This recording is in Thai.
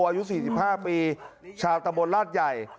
อายุ๔๕ปีชาวตะบนลาดใหญ่